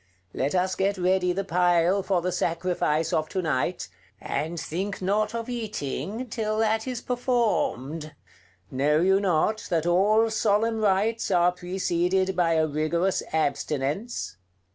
Let us get ready the pile for the sacrifice of to night, and think not of eating till that is performed. Know you not that all solemn rites are preceded by a rigorous abstinence?"